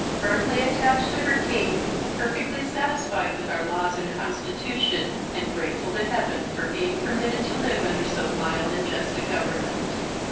Firmly attached to her King, perfectly satisfied with our laws and constitution, and grateful to heaven for being permitted to live under so mild and just a government.